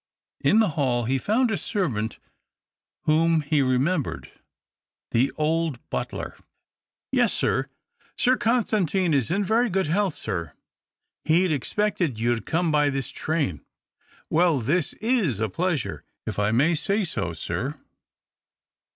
In the hall he found a servant whom he remembered — the old butler. " Yes, sir, Sir Constantine is in very good 'ealth, sir. He'd expected you'd come by this train. Well, this is a pleasure, if I may say so, sir."